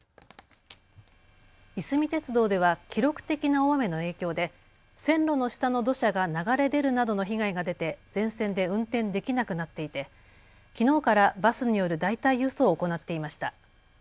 いすみ鉄道では記録的な大雨の影響で線路の下の土砂が流れ出るなどの被害が出て全線で運転できなくなっていてきのうからバスによる代替輸送を行っていました。